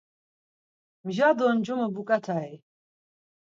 Mja do ncumu buǩatai?